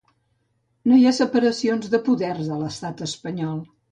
No hi ha separació de poders a l'estat espanyol.